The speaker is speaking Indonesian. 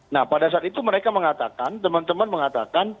nah pada saat itu mereka mengatakan teman teman mengatakan